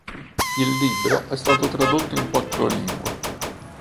Il libro è stato tradotto in quattro lingue.